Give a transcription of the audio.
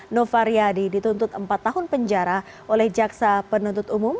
novariyadi dituntut empat tahun penjara oleh jaksa penuntut umum